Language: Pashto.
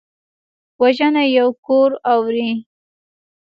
وژنه یو کور اوروي